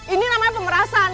ini namanya pemerasan